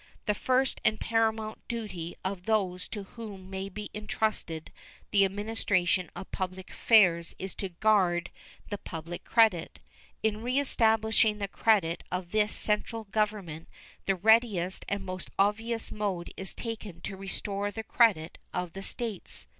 The first and paramount duty of those to whom may be intrusted the administration of public affairs is to guard the public credit. In reestablishing the credit of this central Government the readiest and most obvious mode is taken to restore the credit of the States.